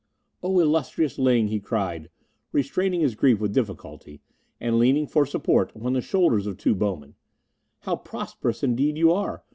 "Oh, illustrious Ling," he cried, restraining his grief with difficulty, and leaning for support upon the shoulders of two bowmen, "how prosperous indeed are you!